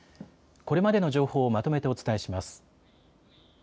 これまでの情報をまとめてお伝えします。